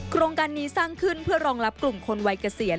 โครงการนี้สร้างขึ้นเพื่อรองรับกลุ่มคนวัยเกษียณ